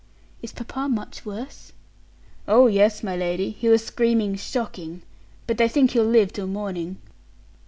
"Is papa much worse?" "Oh, yes, my lady; he was screaming shocking. But they think he'll live till morning."